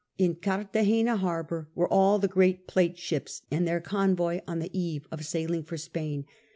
In Cartagena harbour were all the great Plate ships and their convoy on the eve of sailing for Spain.